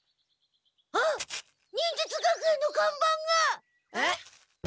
あっ忍術学園のかんばんが！えっ？